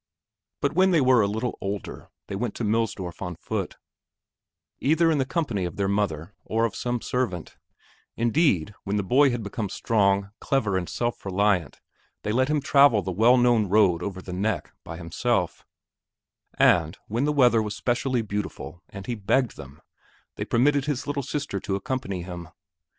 But when they were a little older, they went to Millsdorf on foot, either in the company of their mother or of some servant; indeed, when the boy had become strong, clever, and self reliant, they let him travel the well known road over the "neck" by himself; and, when the weather was specially beautiful and he begged them, they permitted his little sister to accompany him.